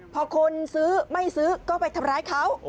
พอคนซื้อไม่ซื้อก็ไปทำร้ายเขา